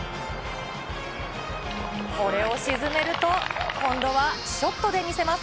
これを沈めると、今度はショットで見せます。